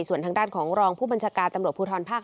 ส่วนทางด้านของรองผู้บัญชาการตำรวจภูทรภาค๕